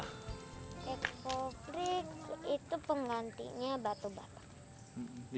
ekobrik itu pengantinya batu berat